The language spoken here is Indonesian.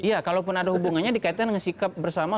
iya kalaupun ada hubungannya dikaitkan dengan sikap bersama